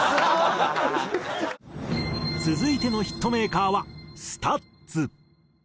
続いてのヒットメーカーはＳＴＵＴＳ。